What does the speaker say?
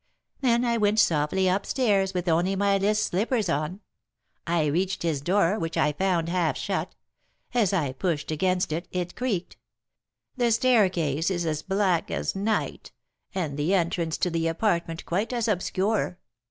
Then I went softly up stairs with only my list slippers on. I reached his door, which I found half shut; as I pushed against it, it creaked; the staircase is as black as night, and the entrance to the apartment quite as obscure.